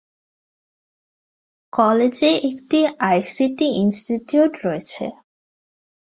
কলেজে একটি ICT institute রয়েছে।